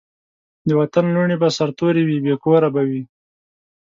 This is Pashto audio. د وطن لوڼي به سرتوري وي بې کوره به وي